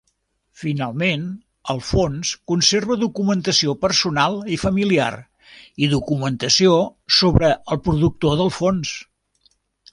Finalment, el fons conserva documentació personal i familiar, i documentació sobre el productor del fons.